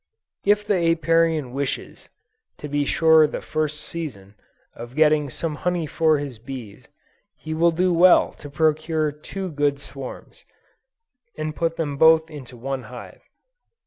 If the Apiarian wishes, to be sure the first season, of getting some honey from his bees, he will do well to procure two good swarms, and put them both into one hive.